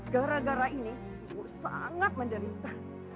gara gara ini ibu sangat menderita